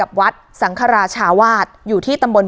แล้วก็ไปซ่อนไว้ในคานหลังคาของโรงรถอีกทีนึง